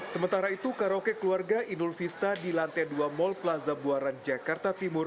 sementara itu karaoke keluarga inul vista di lantai dua mall plaza buaran jakarta timur